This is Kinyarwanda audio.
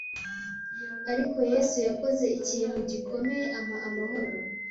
ariko Yesu yakoze ikintu gikomeye ampa amahoro